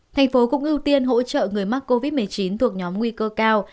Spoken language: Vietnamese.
thành phố cũng ưu tiên hỗ trợ người mắc covid một mươi chín thuộc nhóm nguy cơ cao